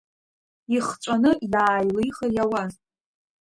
Ихҵәаны иааилихыр иауаз?